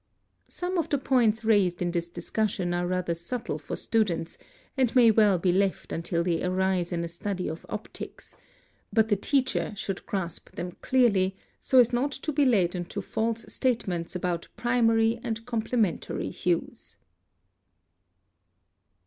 Some of the points raised in this discussion are rather subtle for students, and may well be left until they arise in a study of optics, but the teacher should grasp them clearly, so as not to be led into false statements about primary and complementary hues.